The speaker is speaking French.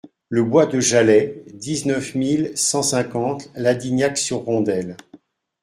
Le Bois de Jaleix, dix-neuf mille cent cinquante Ladignac-sur-Rondelles